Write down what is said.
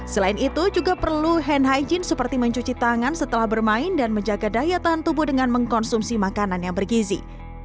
selain itu juga perlu hand hygiene seperti mencuci tangan setelah bermain dan menjaga daya tahan tubuh dengan mengkonsumsi makanan yang bergizi